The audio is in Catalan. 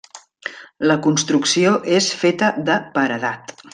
La construcció és feta de paredat.